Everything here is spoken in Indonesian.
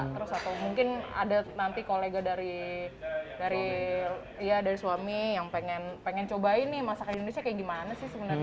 terus atau mungkin ada nanti kolega dari suami yang pengen cobain nih masakan indonesia kayak gimana sih sebenarnya